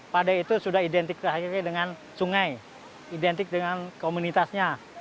pak d itu sudah identik terakhirnya dengan sungai identik dengan komunitasnya